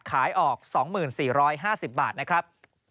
ขายออก๒๔๕๐บาทนะครับ